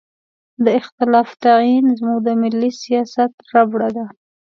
د اختلاف تعین زموږ د ملي سیاست ربړه ده.